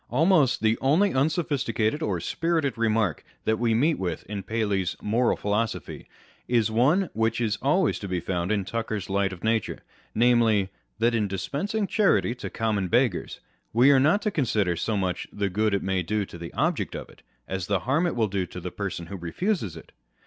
Almost the only unsophisticated or spirited remark that we meet with in Paley's Moral 1 Memoirs of Granville Sharp, p. 369. On Reason and Imagination. 65 Philosophy, is one which is always to be found in Tucker's Light of Nature â€" namely, that in dispensing charity to common beggars we are not to consider so much the good it may do the object of it, as the harm it will do the person who refuses it.